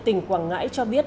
tỉnh quảng ngãi cho biết